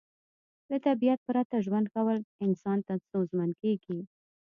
له طبیعت پرته ژوند کول انسان ته ستونزمن کیږي